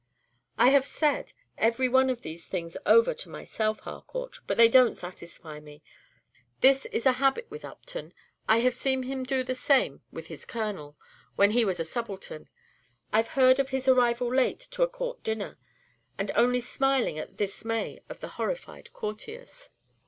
"I have said every one of these things over to myself, Harcourt; but they don't satisfy me. This is a habit with Upton. I 've seen him do the same with his Colonel, when he was a subaltern; I 've heard of his arrival late to a Court dinner, and only smiling at the dismay of the horrified courtiers."